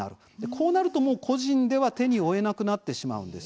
こうなると、もう個人では手に負えなくなってしまうんです。